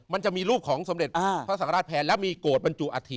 มันจะมีรูปของสมเด็จพระสังฆราชแผนแล้วมีโกรธบรรจุอัฐิ